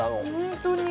本当に。